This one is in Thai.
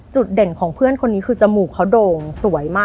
เด่นของเพื่อนคนนี้คือจมูกเขาโด่งสวยมาก